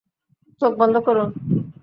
চোখ বন্ধ করুন।